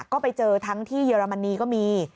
ก็ไปเจอทั้งที่เยอรมนีก็มี